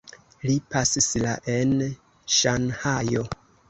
Li pasis la en Ŝanhajo.